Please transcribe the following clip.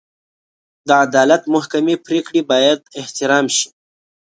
د عدالت محکمې پرېکړې باید احترام شي.